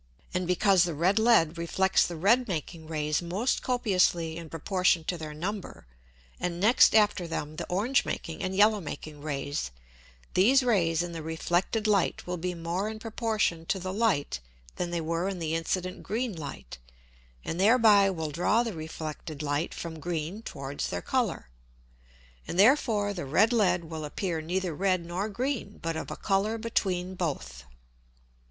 And because the red Lead reflects the red making Rays most copiously in proportion to their number, and next after them the orange making and yellow making Rays; these Rays in the reflected Light will be more in proportion to the Light than they were in the incident green Light, and thereby will draw the reflected Light from green towards their Colour. And therefore the red Lead will appear neither red nor green, but of a Colour between both.